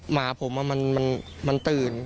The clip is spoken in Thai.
หมาผมมันตื่น